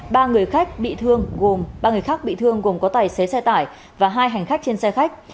ba người khác bị thương gồm có tài xế xe tải và hai hành khách trên xe khách